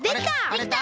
できた！